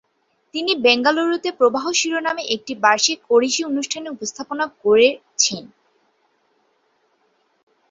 তিনি বেঙ্গালুরুতে 'প্রবাহ' শিরোনামে একটি বার্ষিক ওড়িশি অনুষ্ঠানের উপস্থাপনা করছেন।